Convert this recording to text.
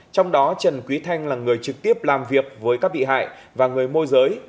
trong đó trần quý thanh là người trực tiếp làm việc với các bị hại và người môi giới